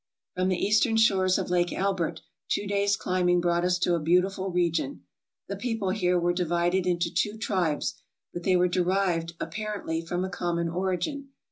From the eastern shores of Lake Albert two days climb ing brought us to a beautiful region. The people here were divided into two tribes, but they were derived, apparently, from a common origin.